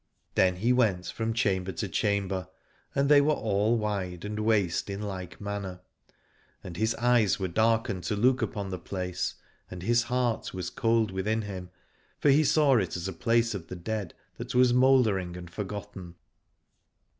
Then he went from chamber to chamber, and 96 Aladore they were all wide and waste in like manner : and his eyes were darkened to look upon the place, and his heart was cold within him, for he saw it as a place of the dead that was mouldering and forgotten.